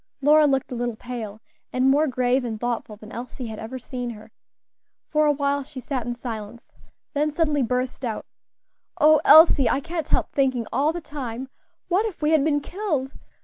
Lora looked a little pale, and more grave and thoughtful than Elsie had ever seen her. For a while she sat in silence, then suddenly burst out, "Oh, Elsie! I can't help thinking all the time, what if we had been killed!